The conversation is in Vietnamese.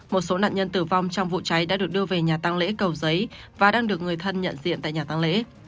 một số nạn nhân tử vong trong vụ cháy đã được đưa về nhà tăng lễ cầu giấy và đang được người thân nhận diện tại nhà tăng lễ